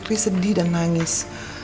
mas fikri sedih dan nangis